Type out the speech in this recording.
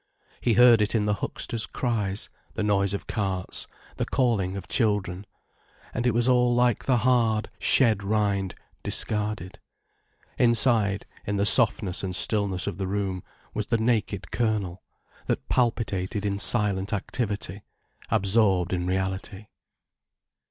He heard it in the huckster's cries, the noise of carts, the calling of children. And it was all like the hard, shed rind, discarded. Inside, in the softness and stillness of the room, was the naked kernel, that palpitated in silent activity, absorbed in reality.